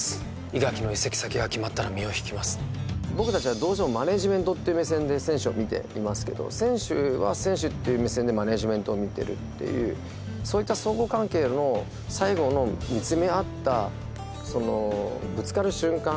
伊垣の移籍先が決まったら身を引きます僕達はどうしてもマネージメントっていう目線で選手を見ていますけど選手は選手っていう目線でマネージメントを見てるっていうそういった相互関係の最後の見つめ合ったそのぶつかる瞬間